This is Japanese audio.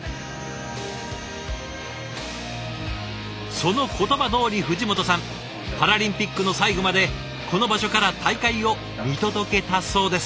その言葉どおり藤本さんパラリンピックの最後までこの場所から大会を見届けたそうです。